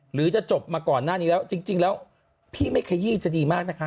หรือจะจบมาก่อนหน้านี้แล้วจริงแล้วพี่ไม่ขยี้จะดีมากนะคะ